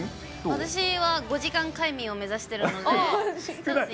私は５時間快眠を目指してる少ない。